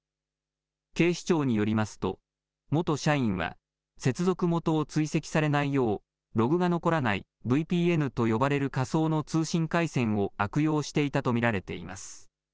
警視庁によりますと元社員は接続元を追跡されないようログが残らないＶＰＮと呼ばれる仮想の通信回線を悪用していたと見られています。